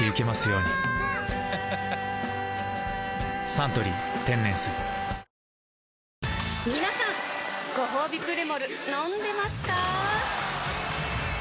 「サントリー天然水」みなさんごほうびプレモル飲んでますかー？